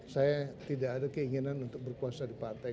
saya tidak ada keinginan untuk berkuasa di partai